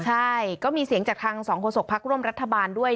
ใช่ก็มีเสียงจากทางสองโศกพักร่วมรัฐบาลด้วย